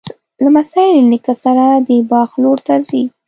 لمسی له نیکه سره د باغ لور ته ځي.